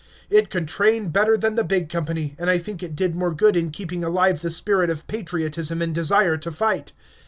It could train better than the big company, and I think it did more good in keeping alive the spirit of patriotism and desire to fight.